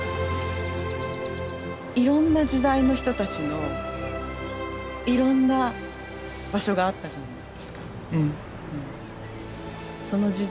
いろんな時代の人たちのいろんな場所があったじゃないですか。